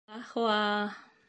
Вах-уа-а!